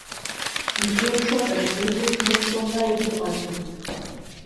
Иԥеиԥшу атрагедиа зныԥшуа ҳәа егьыҟаӡам.